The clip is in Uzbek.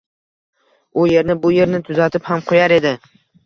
u yer- bu yerini tuzatib ham qo’yar edi.